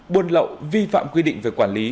buôn lậu vi phạm quy định về quản lý